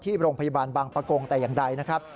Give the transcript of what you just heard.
ที่โรงพยาบาลบางประกงแต่อย่างใดนะครับ